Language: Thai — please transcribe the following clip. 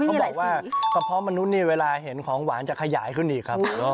เขาบอกว่ากระเพาะมนุษย์นี่เวลาเห็นของหวานจะขยายขึ้นอีกครับ